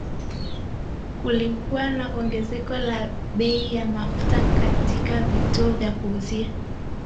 Kulikuwa na ongezeko la bei ya mafuta katika vituo vya kuuzia